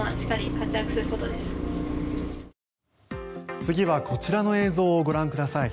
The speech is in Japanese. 次はこちらの映像をご覧ください。